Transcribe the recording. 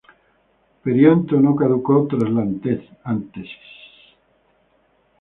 Perianto no caduco tras la antesis.